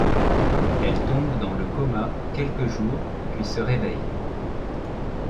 Elle tombe dans le coma quelques jours puis se réveille.